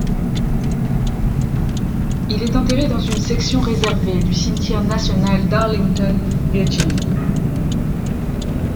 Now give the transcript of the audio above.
Il est enterré dans une section réservée du Cimetière National d’Arlington, Virginie.